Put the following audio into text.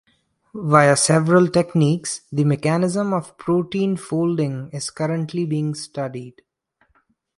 Via several techniques, the mechanism of protein folding is currently being studied.